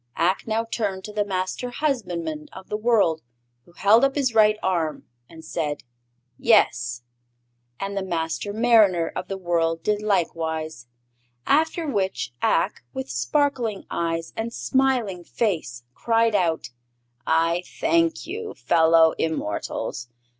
Ak now turned to the Master Husbandman of the World, who held up his right arm and said "Yes!" And the Master Mariner of the World did likewise, after which Ak, with sparkling eyes and smiling face, cried out: "I thank you, fellow immortals!